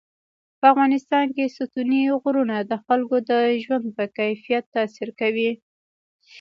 په افغانستان کې ستوني غرونه د خلکو د ژوند په کیفیت تاثیر کوي.